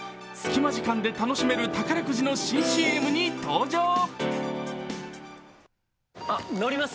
隙間時間で楽しめる宝くじの新ＣＭに登場。